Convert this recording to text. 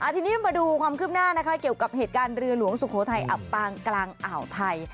ทีนี้มาดูความคืบหน้านะคะเกี่ยวกับเหตุการณ์เรือหลวงสุโขทัยอับปางกลางอ่าวไทย